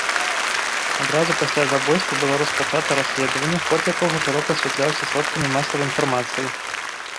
Адразу пасля забойства было распачатае расследаванне, ход якога шырока асвятляўся сродкамі масавай інфармацыі.